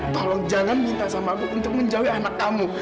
tolong jangan minta sama aku untuk menjauhi anak kamu